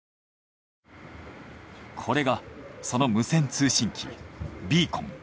これがその無線通信機ビーコン。